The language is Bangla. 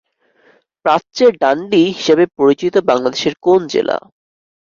প্রাচ্যের ডান্ডি হিসেবে পরিচিত বাংলাদেশের কোন জেলা?